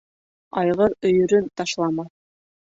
Айғыр өйөрөн ташламаҫ.